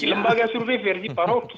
lembaga survei versi pak roky